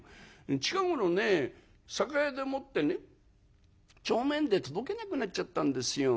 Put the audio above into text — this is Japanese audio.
近頃ね酒屋でもってね帳面で届けなくなっちゃったんですよ。